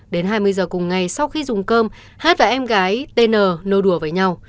đến hai mươi giờ cùng ngày sau khi dùng cơm hát và em gái tn nô đùa với nhau